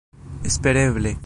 espereble